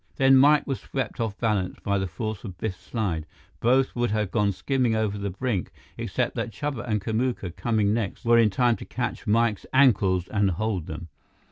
Then Mike was swept off balance by the force of Biff's slide. Both would have gone skimming over the brink, except that Chuba and Kamuka, coming next, were in time to catch Mike's ankles and hold them.